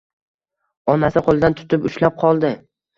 Onasi qo`lidan tutib ushlab qoldi